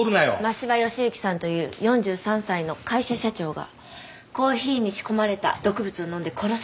真柴義之さんという４３歳の会社社長がコーヒーに仕込まれた毒物を飲んで殺されたんです。